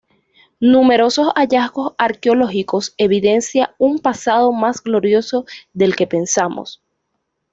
Números hallazgos arqueológicos evidencia un pasado más glorioso del que pensamos.